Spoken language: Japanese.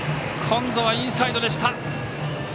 今度はインサイドでした。